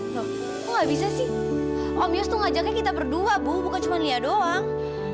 loh gak bisa sih om yos tuh ngajaknya kita berdua bu bukan cuma lia doang